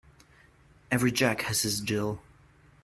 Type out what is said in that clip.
Every Jack has his Jill.